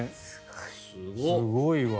すごいわ。